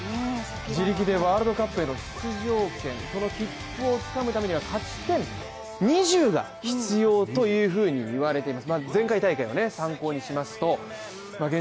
自力でワールドカップの出場権切符をつかむためには勝ち点２０が必要というふうに言われています